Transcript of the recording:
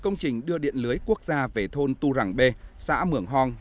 công trình đưa điện lưới quốc gia về thôn tu rằng bê xã mưởng hòn